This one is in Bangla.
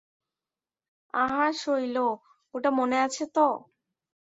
আহা শৈল, ওটা মনে আছে তো?